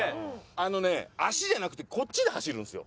あのね足じゃなくてこっちで走るんですよ。